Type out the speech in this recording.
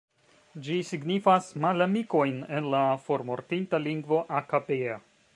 Ĝi signifas "malamikojn" en la formortinta lingvo Aka-Bea.